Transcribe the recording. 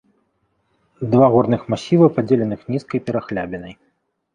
Два горных масіва, падзеленых нізкай перахлябінай.